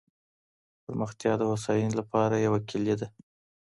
پرمختيا د هوساينې لپاره يوه کلۍ ده.